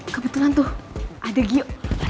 kebetulan tuh ada gio